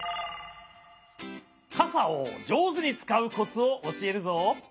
かさをじょうずにつかうコツをおしえるぞ。